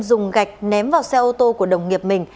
dùng gạch ném vào xe ô tô của đồng nghiệp mình